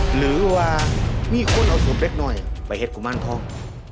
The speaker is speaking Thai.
หรือว่ามีคนเอาสูตรเล็กหน่อยไปเห็ดกุมารทอง